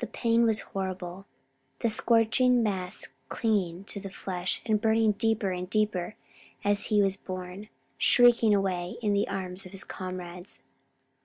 The pain was horrible, the scorching mass clinging to the flesh and burning deeper and deeper as he was borne shrieking away in the arms of his comrades.